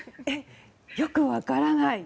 よく分からない？